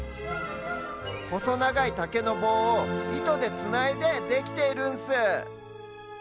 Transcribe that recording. ほそながいたけのぼうをいとでつないでできているんス。